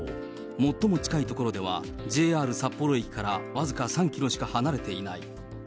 最も近い所では、ＪＲ札幌駅から僅か３キロしか離れていない。